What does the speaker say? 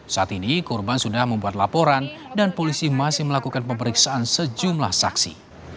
saat ini korban sudah membuat laporan dan polisi masih melakukan pemeriksaan sejumlah saksi